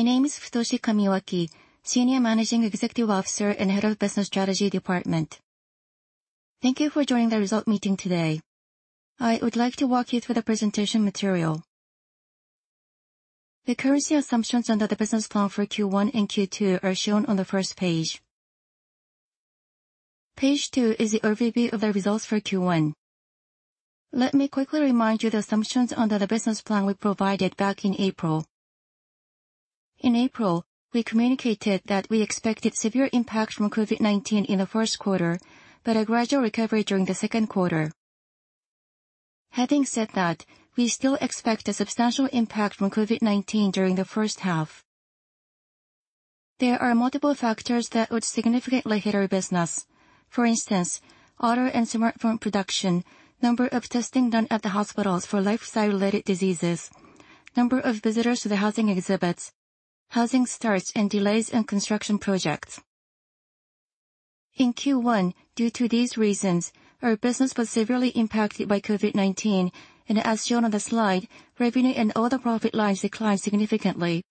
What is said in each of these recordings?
My name is Futoshi Kamiwaki, Senior Managing Executive Officer and Head of Business Strategy Department. Thank you for joining the result meeting today. I would like to walk you through the presentation material. The currency assumptions under the business plan for Q1 and Q2 are shown on the first page. Page two is the overview of the results for Q1. Let me quickly remind you the assumptions under the business plan we provided back in April. In April, we communicated that we expected severe impact from COVID-19 in the first quarter, but a gradual recovery during the second quarter. Having said that, we still expect a substantial impact from COVID-19 during the first half. There are multiple factors that would significantly hit our business. For instance, auto and smartphone production, number of testing done at the hospitals for lifestyle-related diseases, number of visitors to the housing exhibits, housing starts, and delays in construction projects. In Q1, due to these reasons, our business was severely impacted by COVID-19, and as shown on the slide, revenue and all the profit lines declined significantly.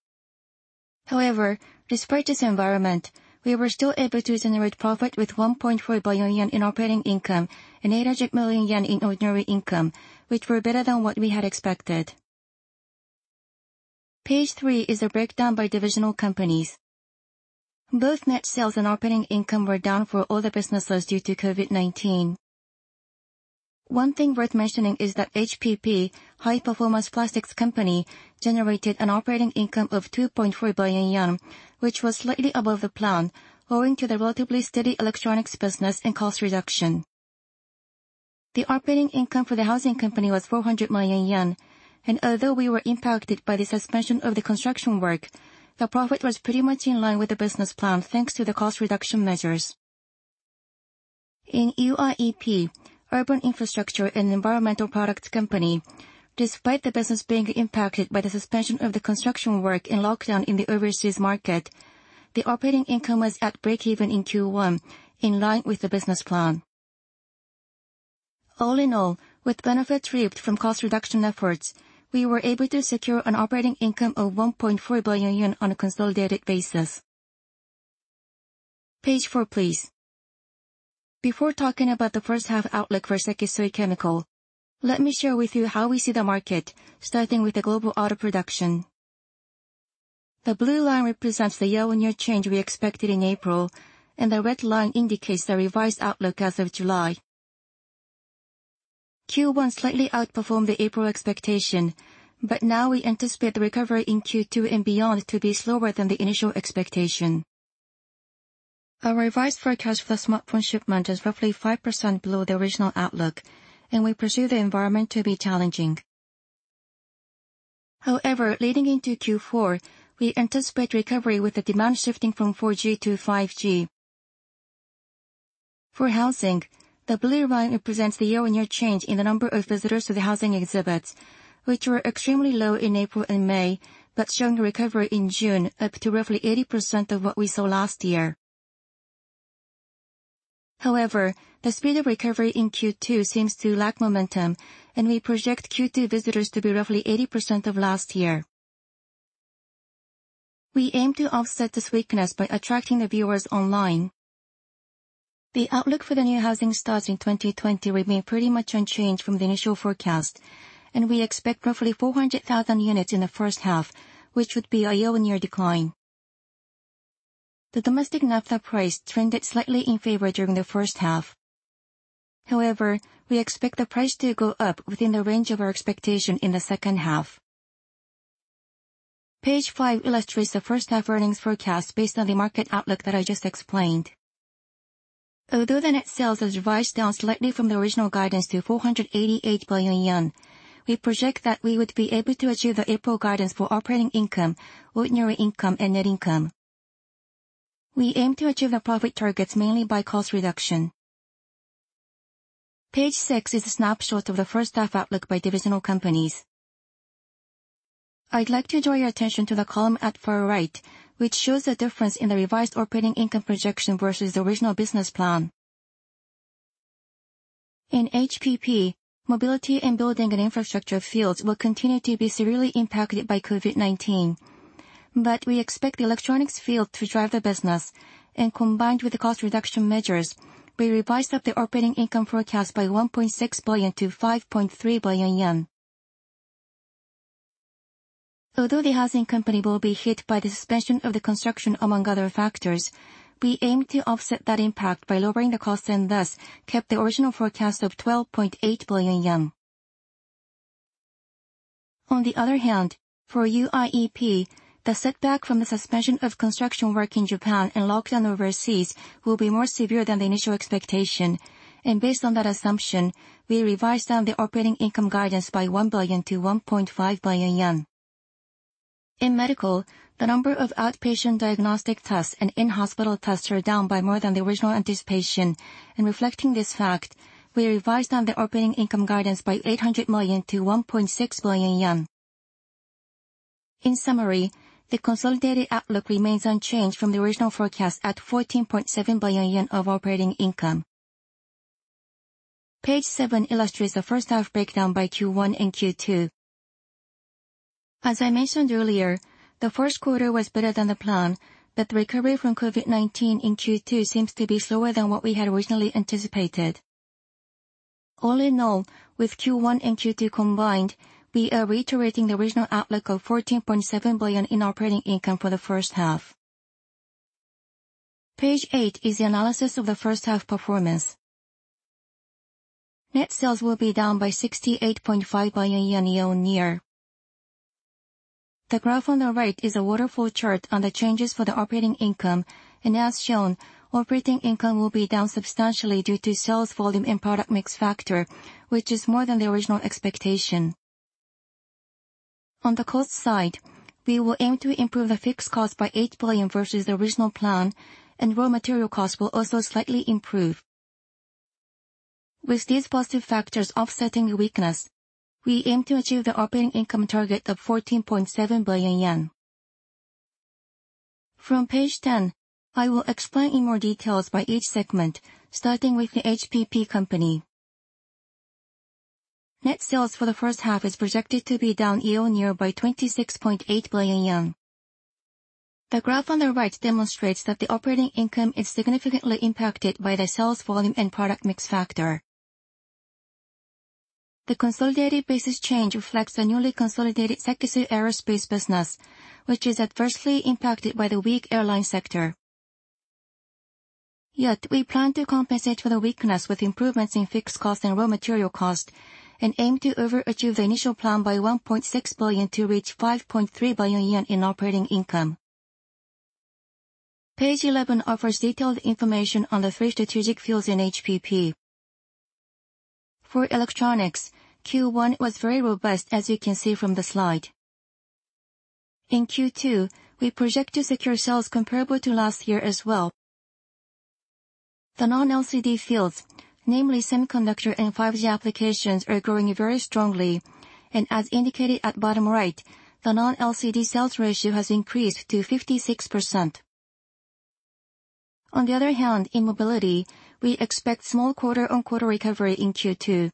Despite this environment, we were still able to generate profit with 1.4 billion yen in operating income and 800 million yen in ordinary income, which were better than what we had expected. Page three is a breakdown by divisional companies. Both net sales and operating income were down for all the businesses due to COVID-19. One thing worth mentioning is that HPP, High Performance Plastics Company, generated an operating income of 2.4 billion yen, which was slightly above the plan, owing to the relatively steady electronics business and cost reduction. The operating income for the housing company was 400 million yen, and although we were impacted by the suspension of the construction work, the profit was pretty much in line with the business plan thanks to the cost reduction measures. In UIEP, Urban Infrastructure and Environmental Products Company, despite the business being impacted by the suspension of the construction work and lockdown in the overseas market, the operating income was at breakeven in Q1, in line with the business plan. All in all, with benefit reaped from cost reduction efforts, we were able to secure an operating income of JPY 1.4 billion on a consolidated basis. Page four, please. Before talking about the first half outlook for Sekisui Chemical, let me share with you how we see the market, starting with the global auto production. The blue line represents the year-on-year change we expected in April, and the red line indicates the revised outlook as of July. Q1 slightly outperformed the April expectation, but now we anticipate the recovery in Q2 and beyond to be slower than the initial expectation. Our revised forecast for the smartphone shipment is roughly 5% below the original outlook, and we pursue the environment to be challenging. However, leading into Q4, we anticipate recovery with the demand shifting from 4G to 5G. For housing, the blue line represents the year-on-year change in the number of visitors to the housing exhibits, which were extremely low in April and May, but showing a recovery in June, up to roughly 80% of what we saw last year. However, the speed of recovery in Q2 seems to lack momentum, and we project Q2 visitors to be roughly 80% of last year. We aim to offset this weakness by attracting the viewers online. The outlook for the new housing starts in 2020 remain pretty much unchanged from the initial forecast, and we expect roughly 400,000 units in the first half, which would be a year-on-year decline. The domestic naphtha price trended slightly in favor during the first half. However, we expect the price to go up within the range of our expectation in the second half. Page five illustrates the first half earnings forecast based on the market outlook that I just explained. Although the net sales has revised down slightly from the original guidance to 488 billion yen, we project that we would be able to achieve the April guidance for operating income, ordinary income, and net income. We aim to achieve the profit targets mainly by cost reduction. Page six is a snapshot of the first half outlook by divisional companies. I'd like to draw your attention to the column at far right, which shows the difference in the revised operating income projection versus the original business plan. In HPP, mobility and building and infrastructure fields will continue to be severely impacted by COVID-19. We expect the electronics field to drive the business, and combined with the cost reduction measures, we revised up the operating income forecast by 1.6 billion to 5.3 billion yen. Although the housing company will be hit by the suspension of the construction, among other factors, we aim to offset that impact by lowering the cost and thus kept the original forecast of 12.8 billion yen. On the other hand, for UIEP, the setback from the suspension of construction work in Japan and lockdown overseas will be more severe than the initial expectation. Based on that assumption, we revised down the operating income guidance by 1 billion-1.5 billion yen. In medical, the number of outpatient diagnostic tests and in-hospital tests were down by more than the original anticipation, and reflecting this fact, we revised down the operating income guidance by 800 million to 1.6 billion yen. In summary, the consolidated outlook remains unchanged from the original forecast at 14.7 billion yen of operating income. Page seven illustrates the first half breakdown by Q1 and Q2. As I mentioned earlier, the first quarter was better than the plan, but the recovery from COVID-19 in Q2 seems to be slower than what we had originally anticipated. All in all, with Q1 and Q2 combined, we are reiterating the original outlook of 14.7 billion in operating income for the first half. Page eight is the analysis of the first half performance. Net sales will be down by 68.5 billion yen year-on-year. The graph on the right is a waterfall chart on the changes for the operating income. As shown, operating income will be down substantially due to sales volume and product mix factor, which is more than the original expectation. On the cost side, we will aim to improve the fixed cost by 8 billion versus the original plan. Raw material cost will also slightly improve. With these positive factors offsetting the weakness, we aim to achieve the operating income target of 14.7 billion yen. From page 10, I will explain in more details by each segment, starting with the HPP Company. Net sales for the first half is projected to be down year-on-year by 26.8 billion yen. The graph on the right demonstrates that the operating income is significantly impacted by the sales volume and product mix factor. The consolidated business change reflects the newly consolidated Sekisui Aerospace business, which is adversely impacted by the weak airline sector. We plan to compensate for the weakness with improvements in fixed cost and raw material cost, and aim to overachieve the initial plan by 1.6 billion to reach 5.3 billion yen in operating income. Page 11 offers detailed information on the three strategic fields in HPP. For electronics, Q1 was very robust, as you can see from the slide. In Q2, we project to secure sales comparable to last year as well. The non-LCD fields, namely semiconductor and 5G applications, are growing very strongly, and as indicated at bottom right, the non-LCD sales ratio has increased to 56%. On the other hand, in mobility, we expect small quarter-on-quarter recovery in Q2.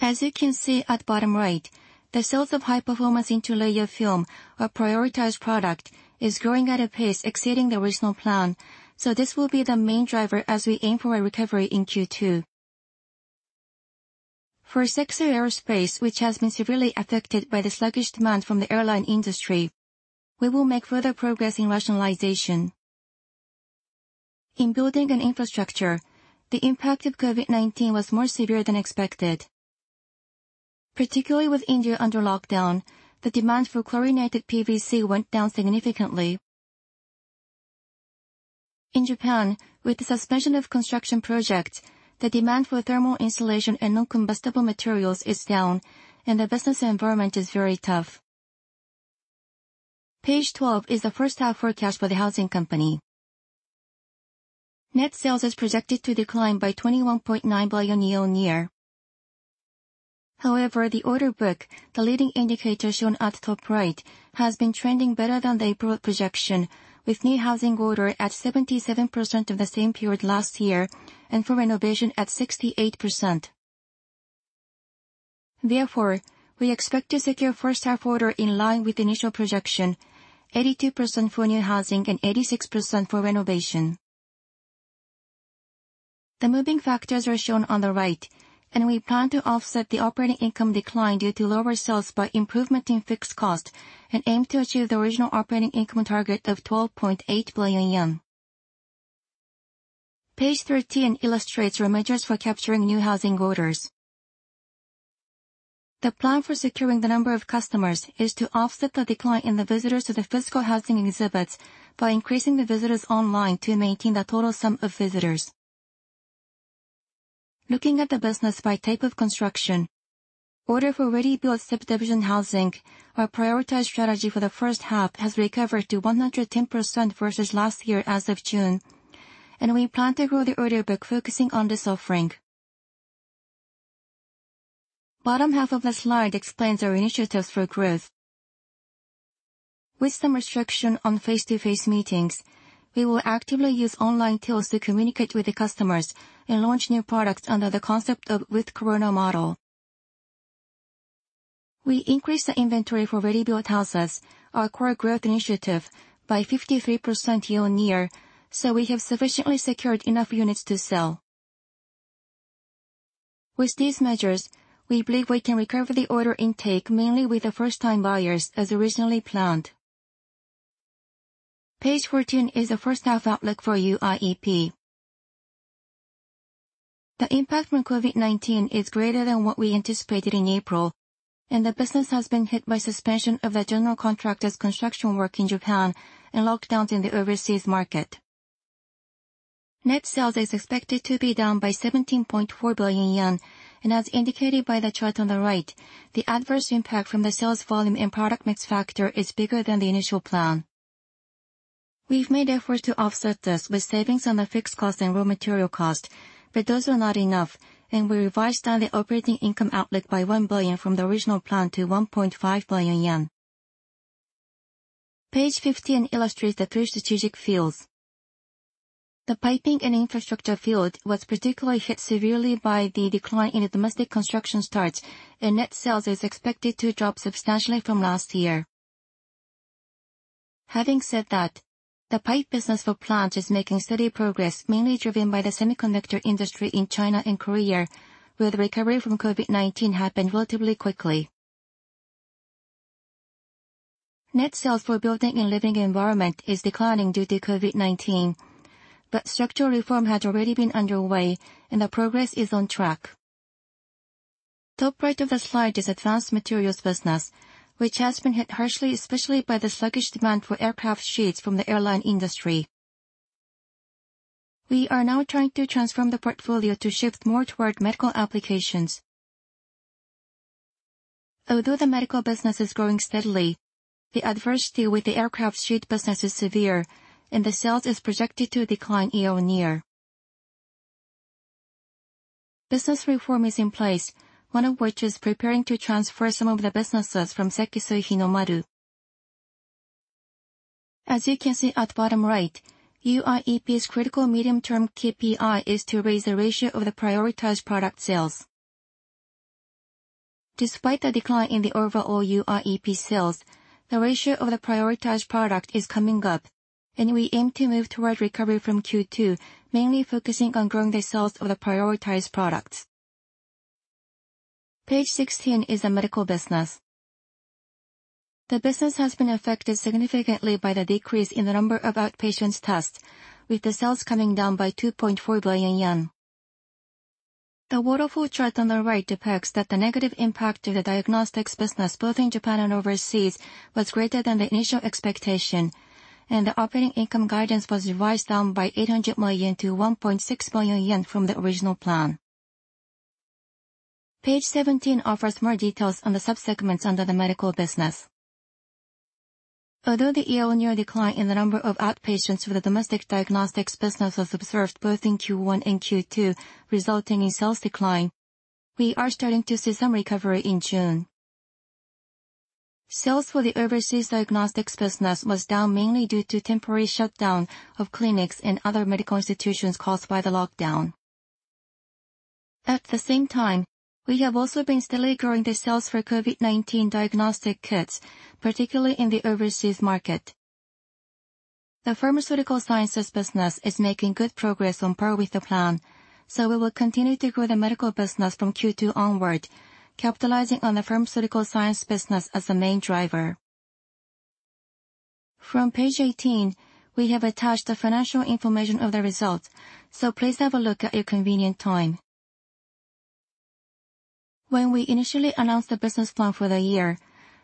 As you can see at bottom right, the sales of high-performance interlayer film, our prioritized product, is growing at a pace exceeding the original plan. This will be the main driver as we aim for a recovery in Q2. For SEKISUI Aerospace, which has been severely affected by the sluggish demand from the airline industry, we will make further progress in rationalization. In building and infrastructure, the impact of COVID-19 was more severe than expected. Particularly with India under lockdown, the demand for chlorinated PVC went down significantly. In Japan, with the suspension of construction projects, the demand for thermal insulation and non-combustible materials is down, and the business environment is very tough. Page 12 is the first half forecast for the housing company. Net sales is projected to decline by 21.9 billion year-on-year. The order book, the leading indicator shown at the top right, has been trending better than the April projection, with new housing order at 77% of the same period last year and for renovation at 68%. We expect to secure first half order in line with the initial projection, 82% for new housing and 86% for renovation. The moving factors are shown on the right, and we plan to offset the operating income decline due to lower sales by improvement in fixed cost and aim to achieve the original operating income target of 12.8 billion yen. Page 13 illustrates our measures for capturing new housing orders. The plan for securing the number of customers is to offset the decline in the visitors to the physical housing exhibits by increasing the visitors online to maintain the total sum of visitors. Looking at the business by type of construction, order for ready-built subdivision housing, our prioritized strategy for the first half, has recovered to 110% versus last year as of June, and we plan to grow the order by focusing on this offering. Bottom half of the slide explains our initiatives for growth. With some restriction on face-to-face meetings, we will actively use online tools to communicate with the customers and launch new products under the concept of with COVID model. We increased the inventory for ready-built houses, our core growth initiative, by 53% year-on-year, so we have sufficiently secured enough units to sell. With these measures, we believe we can recover the order intake mainly with the first-time buyers as originally planned. Page 14 is the first half outlook for UIEP. The impact from COVID-19 is greater than what we anticipated in April, and the business has been hit by suspension of the general contractor's construction work in Japan and lockdowns in the overseas market. Net sales is expected to be down by 17.4 billion yen. As indicated by the chart on the right, the adverse impact from the sales volume and product mix factor is bigger than the initial plan. We've made efforts to offset this with savings on the fixed cost and raw material cost. Those are not enough. We revised down the operating income outlook by 1 billion from the original plan to 1.5 billion yen. Page 15 illustrates the three strategic fields. The piping and infrastructure field was particularly hit severely by the decline in domestic construction starts. Net sales is expected to drop substantially from last year. Having said that, the pipe business for plants is making steady progress, mainly driven by the semiconductor industry in China and Korea, where the recovery from COVID-19 happened relatively quickly. Net sales for building and living environment is declining due to COVID-19, but structural reform had already been underway, and the progress is on track. Top right of the slide is advanced materials business, which has been hit harshly, especially by the sluggish demand for aircraft sheets from the airline industry. We are now trying to transform the portfolio to shift more toward medical applications. Although the medical business is growing steadily, the adversity with the aircraft sheet business is severe, and the sales is projected to decline year-on-year. Business reform is in place, one of which is preparing to transfer some of the businesses from Sekisui Himaru. As you can see at bottom right, UIEP's critical medium-term KPI is to raise the ratio of the prioritized product sales. Despite the decline in the overall UIEP sales, the ratio of the prioritized product is coming up, and we aim to move toward recovery from Q2, mainly focusing on growing the sales of the prioritized products. Page 16 is the medical business. The business has been affected significantly by the decrease in the number of outpatients tests, with the sales coming down by 2.4 billion yen. The waterfall chart on the right depicts that the negative impact to the diagnostics business, both in Japan and overseas, was greater than the initial expectation, and the operating income guidance was revised down by 800 million to 1.6 billion yen from the original plan. Page 17 offers more details on the sub-segments under the medical business. Although the year-on-year decline in the number of outpatients for the domestic diagnostics business was observed both in Q1 and Q2, resulting in sales decline, we are starting to see some recovery in June. Sales for the overseas diagnostics business was down mainly due to temporary shutdown of clinics and other medical institutions caused by the lockdown. At the same time, we have also been steadily growing the sales for COVID-19 diagnostic kits, particularly in the overseas market. The pharmaceutical sciences business is making good progress on par with the plan, so we will continue to grow the medical business from Q2 onward, capitalizing on the pharmaceutical science business as the main driver. From Page 18, we have attached the financial information of the results, so please have a look at your convenient time. When we initially announced the business plan for the year,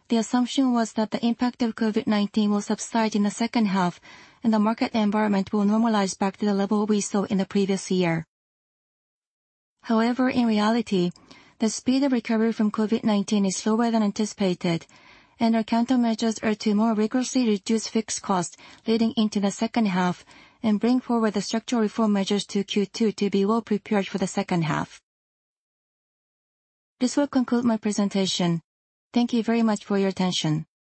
the assumption was that the impact of COVID-19 will subside in the second half and the market environment will normalize back to the level we saw in the previous year. In reality, the speed of recovery from COVID-19 is slower than anticipated, and our counter measures are to more rigorously reduce fixed costs leading into the second half and bring forward the structural reform measures to Q2 to be well prepared for the second half. This will conclude my presentation. Thank you very much for your attention.